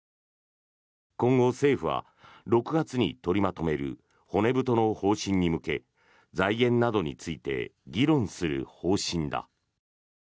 今後、政府は６月に取りまとめる骨太の方針に向け財源などについて議論する方針だ。